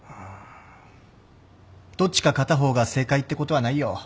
どっちか片方が正解ってことはないよ。